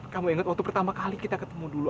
kamu ingat waktu pertama kali kita ketemu dulu